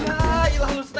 yah ilah lu ste